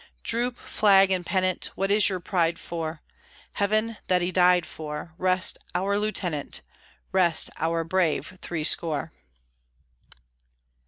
Droop, flag and pennant! What is your pride for? Heaven, that he died for, Rest our Lieutenant, Rest our brave threescore!